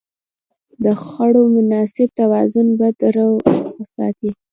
د خوړو مناسب توازن بدن روغ ساتي.